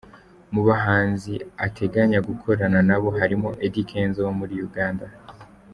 Mu bahanzi ateganya gukorana nabo harimo Eddy Kenzo wo muri Uganda.